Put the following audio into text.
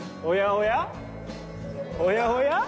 おやおや？